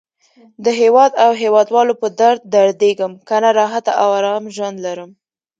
د هیواد او هیواد والو په درد دردېږم. کنه راحته او آرام ژوند لرم.